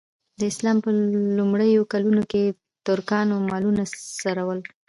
د اسلام په لومړیو کلونو کې ترکانو مالونه څرول.